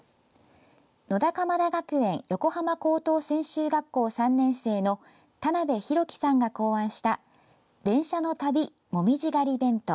野田鎌田学園横浜高等専修学校３年生の田邊紘基さんが考案した電車の旅紅葉狩り弁当。